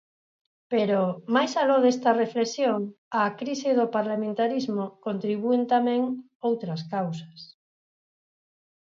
Pero, mais aló desta reflexión, á crise do parlamentarismo contribúen tamén outras causas.